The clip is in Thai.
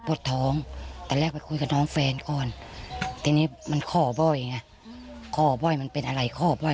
พูดถ้องแต่แรกพูดกับน้องเฟรนด้านเจ็บ